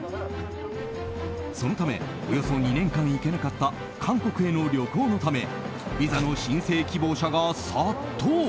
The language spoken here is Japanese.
そのためおよそ２年間行けなかった韓国への旅行のためビザの申請希望者が殺到。